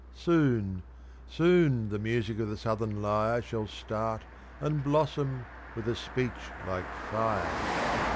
Soon, soon, the music of the southern lyre Shall start and blossom with a speech like fire!